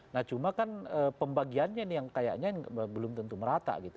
nah cuma kan pembagiannya nih yang kayaknya belum tentu merata gitu